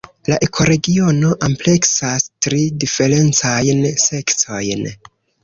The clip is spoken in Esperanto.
La ekoregiono ampleksas tri diferencajn sekciojn.